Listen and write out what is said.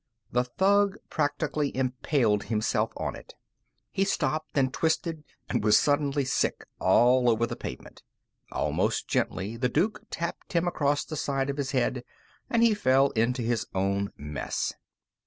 The thug practically impaled himself on it. He stopped and twisted and was suddenly sick all over the pavement. Almost gently, the Duke tapped him across the side of his head, and he fell into his own mess.